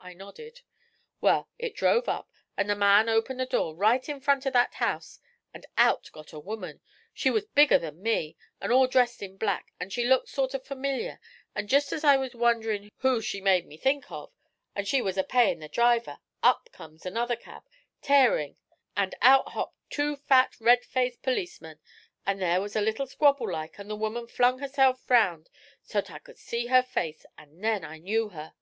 I nodded. 'Wal, it drove up, an' the man opened the door, right in front of that house, an' out got a woman; she was bigger than me, and all drest in black, an' she looked sort of familiar, an' jest as I was wonderin' who she made me think of, an' she was a paying the driver, up comes another cab, tearin', and out hopped two fat, red faced perlecemen, an' there was a little squabble like, an' the woman flung herself round so't I could see her face, an' then I knew her.'